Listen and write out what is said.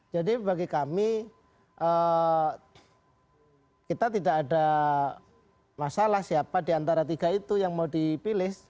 jadi bagi kami kita tidak ada masalah siapa diantara tiga itu yang mau dipilih